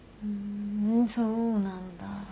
ふんそうなんだ。